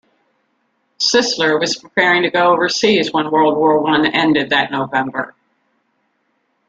Sisler was preparing to go overseas when World War One ended that November.